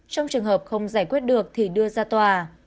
trong trường hợp không giải quyết được thì đưa ra tòa